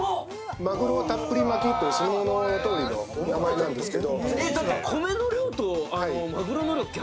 まぐろたっぷり巻きというその名のとおりなんですけど。